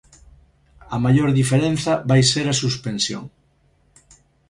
A maior diferenza vai ser a suspensión.